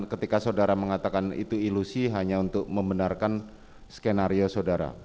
ketika saudara mengatakan itu ilusi hanya untuk membenarkan skenario saudara